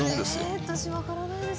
ええ私分からないです。